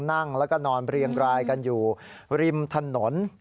นั่งแล้วก็นอนเรียงรายกันอยู่ริมถนน